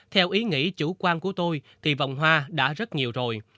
theo ý nghĩ chủ quan của tôi thì vòng hoa đã rất nhiều rồi